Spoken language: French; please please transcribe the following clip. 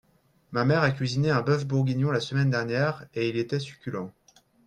Ma mère a cuisiné un boeuf bourguignon la semaine dernière et il était succulent.